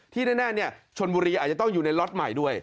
แน่ชนบุรีอาจจะต้องอยู่ในล็อตใหม่ด้วย